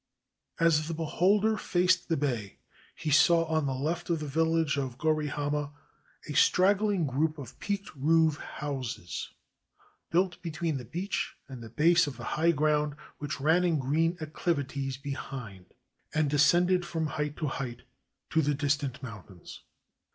As the beholder faced the bay, he saw on the left of the village of Gori Hama a straggling group of peaked roofed houses, built between the beach and the base of the high ground which ran in green acclivities behind, and ascended from height to height to the distant mountains.